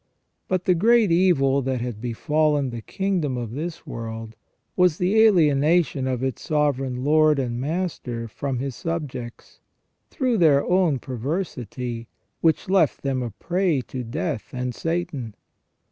But the great evil that had befallen the kingdom of this world was the alienation of its Sovereign Lord and Master from His subjects, through their own perversity, which left them a prey to death and Satan.